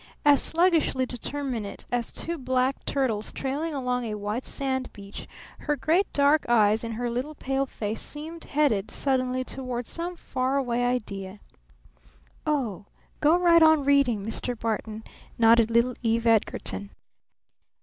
As sluggishly determinate as two black turtles trailing along a white sand beach, her great dark eyes in her little pale face seemed headed suddenly toward some Far Away Idea. "Oh go right on reading, Mr. Barton," nodded little Eve Edgarton.